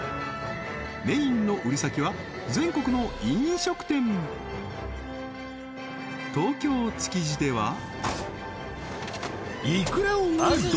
メインの売り先は全国の飲食店東京・築地ではイクラを売るど